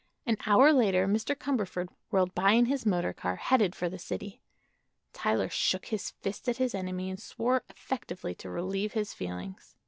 An hour later Mr. Cumberford whirled by in his motor car, headed for the city. Tyler shook his fist at his enemy and swore effectively to relieve his feelings.